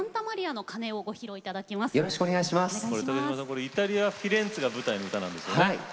これイタリア・フィレンツェが舞台の歌なんですよね。